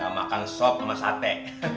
makan sok sama sate